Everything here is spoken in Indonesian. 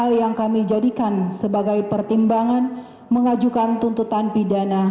hal yang kami jadikan sebagai pertimbangan mengajukan tuntutan pidana